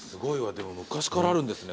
でも昔からあるんですね